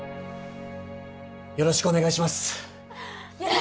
よろしくお願いします！